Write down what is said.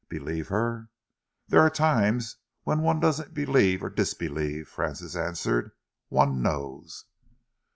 "Believe her?" "There are times when one doesn't believe or disbelieve," Francis answered. "One knows."